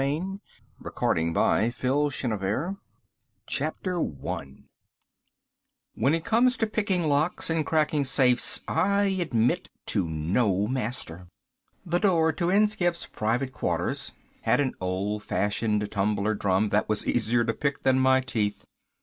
can be most dangerous._ Illustrated by Schoenherr When it comes to picking locks and cracking safes I admit to no master. The door to Inskipp's private quarters had an old fashioned tumbler drum that was easier to pick than my teeth.